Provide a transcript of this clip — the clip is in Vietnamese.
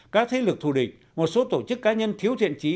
các thế lực thù địch một số tổ chức cá nhân thiếu thiện trí